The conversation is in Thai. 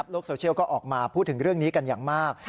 โลกโซเชียลก็ออกมาพูดถึงเรื่องนี้กันอย่างมาก